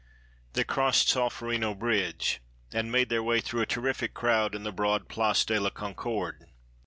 They crossed Solferino bridge, and made their way through a terrific crowd in the broad Place de la Concorde.